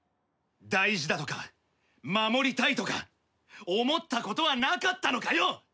大事だとか守りたいとか思ったことはなかったのかよ！